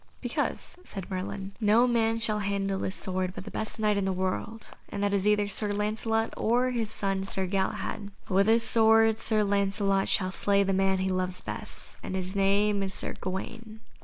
"Because," said Merlin, "no man shall handle this sword but the best Knight in the world, and that is either Sir Lancelot or his son Sir Galahad. With this sword Sir Lancelot shall slay the man he loves best, and his name is Sir Gawaine."